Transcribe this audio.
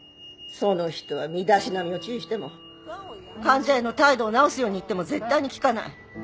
その人は身だしなみを注意しても患者への態度を直すように言っても絶対に聞かない